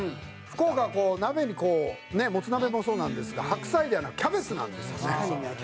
「福岡はこう鍋にもつ鍋もそうなんですが白菜ではなくキャベツなんですよね」